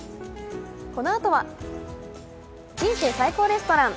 このあとは「人生最高レストラン」。